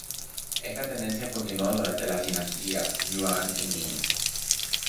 Esta tendencia continuó durante las dinastías Yuan y Ming.